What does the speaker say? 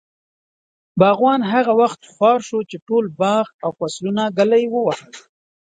باغوان هغه وخت خوار شو، چې ټول باغ او فصلونه ږلۍ ووهل.